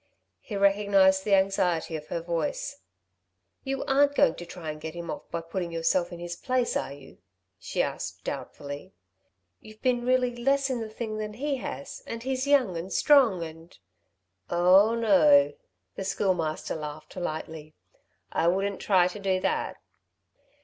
He recognised the anxiety of her voice. "You aren't going to try and get him off by putting yourself in his place, are you?" she asked, doubtfully. "You've really been less in the thing than he has, and he's young and strong and " "Oh no," the Schoolmaster laughed lightly. "I wouldn't try to do that!"